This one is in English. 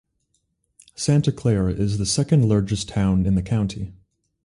Santa Clara is the second largest town in the county.